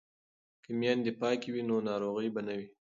که میندې پاکې وي نو ناروغي به نه وي.